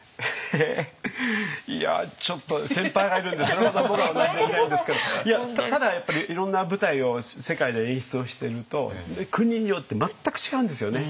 えいやちょっと先輩がいるんでそれほど僕はお話しできないんですけどただやっぱりいろんな舞台を世界で演出をしてると国によって全く違うんですよね。